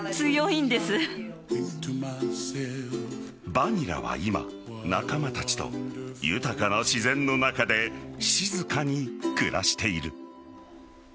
バニラは今、仲間たちと豊かな自然の中で静かに暮らしている。